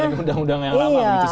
kembali ke undang undang yang lama